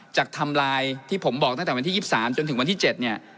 จากทำลายที่ผมบอกตั้งแต่วันที่๒๓จนถึงวันที่๗